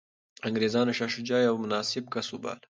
انګریزانو شاه شجاع یو مناسب کس وباله.